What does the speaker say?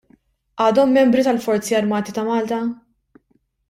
GĦadhom membri tal-Forzi Armati ta' Malta?